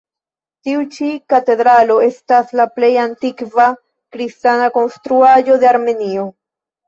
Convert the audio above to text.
Tiu ĉi katedralo estas la plej antikva kristana konstruaĵo de Armenio.